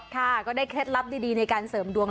ก็ได้เคล็ดลับดีในการเสริมดวง